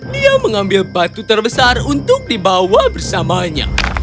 dia mengambil batu terbesar untuk dibawa bersamanya